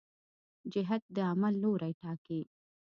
جهت د عمل لوری ټاکي.